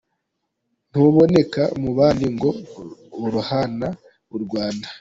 Ntuboneka mu bandi ngo urahana u Rwanda ?